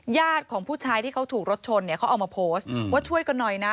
ญาติของผู้ชายที่เขาถูกรถชนเนี่ยเขาเอามาโพสต์ว่าช่วยกันหน่อยนะ